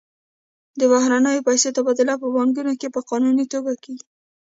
د بهرنیو پیسو تبادله په بانکونو کې په قانوني توګه کیږي.